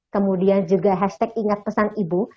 kemudian juga hashtag ingat pesan ibu